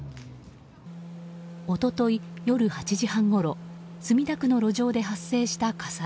一昨日、夜８時半ごろ墨田区の路上で発生した火災。